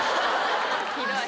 ひどい。